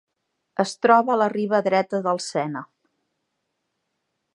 Es troba a la riba dreta del Sena.